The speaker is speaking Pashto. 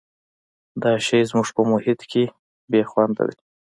دا شی زموږ په محیط کې بې خونده دی.